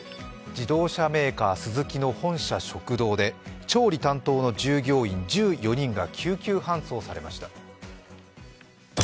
自動車メーカースズキの本社食堂で、調理担当の従業員１４人が救急搬送されました。